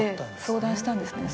相談したんですね。